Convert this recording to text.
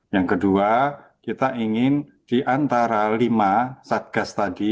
yang kedua kita ingin di antara lima satgas tadi